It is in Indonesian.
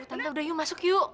tante udah yuk masuk yuk